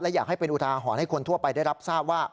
อยากให้เป็นอุทาหรณ์ให้คนทั่วไปได้รับทราบว่า